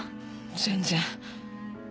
全然。